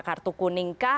kartu kuning kah